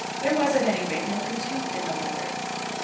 There was, at any rate, no contempt in the letter.